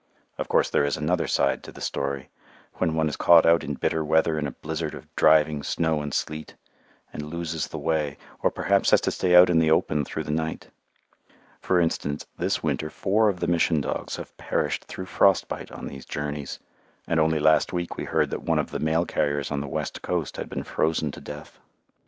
Of course there is another side to the story, when one is caught out in bitter weather in a blizzard of driving snow and sleet, and loses the way, or perhaps has to stay out in the open through the night. For instance, this winter four of the Mission dogs have perished through frost bite on these journeys; and only last week we heard that one of the mail carriers on the west coast had been frozen to death.